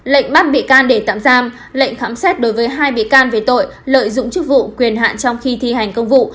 lệnh bắt bị can để tạm giam lệnh khám xét đối với hai bị can về tội lợi dụng chức vụ quyền hạn trong khi thi hành công vụ